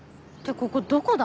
ここどこだ？